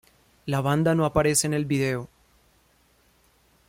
La banda no aparece en el video.